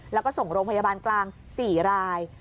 แล้วก็ส่งโรงพยาบาลกลาง๔ราย